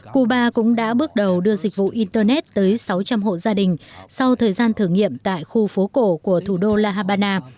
cuba cũng đã bước đầu đưa dịch vụ internet tới sáu trăm linh hộ gia đình sau thời gian thử nghiệm tại khu phố cổ của thủ đô la habana